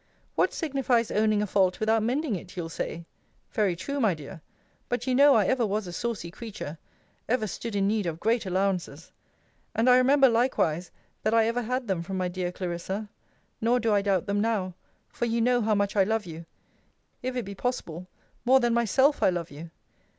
What signifies owning a fault without mending it, you'll say? Very true, my dear. But you know I ever was a saucy creature ever stood in need of great allowances. And I remember, likewise, that I ever had them from my dear Clarissa. Nor do I doubt them now: for you know how much I love you if it be possible, more than myself I love you!